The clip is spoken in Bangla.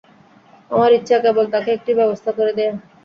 আমার ইচ্ছা, কেবল তাকে একটি ব্যবস্থা করে দেয়া।